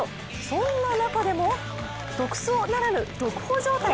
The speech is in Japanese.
そんな中でも独走ならぬ、独歩状態。